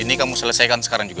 ini kamu selesaikan sekarang juga